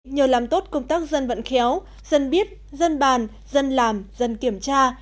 nhờ làm tốt công tác dân vận khéo dân biết dân bàn dân làm dân kiểm tra